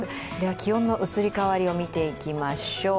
気温の移り変わりを見ていきましょう。